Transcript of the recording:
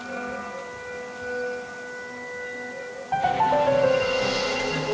ini adalah hadiah ulang tahunmu bukan